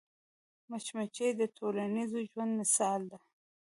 مچمچۍ د ټولنیز ژوند مثال ده